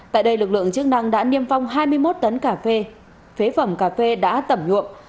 tại đây lực lượng chức năng đã niêm phong hai mươi một tấn cà phê phế phẩm cà phê đã tẩm nhuộm